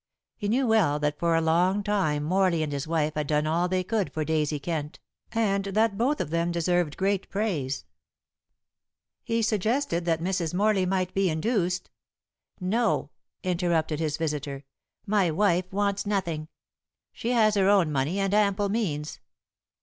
He knew well that for a long time Morley and his wife had done all they could for Daisy Kent, and that both of them deserved great praise. He suggested that Mrs. Morley might be induced "No," interrupted his visitor, "my wife wants nothing. She has her own money, and ample means."